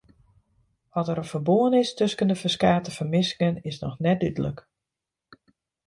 Oft der in ferbân is tusken de ferskate fermissingen is noch net dúdlik.